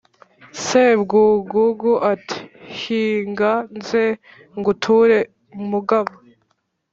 sebwugugu ati: "hinga nze nguture mugabo